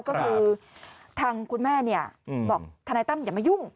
ก็คือทางคุณแม่บอกทนายตั้มอย่ามายุ่ง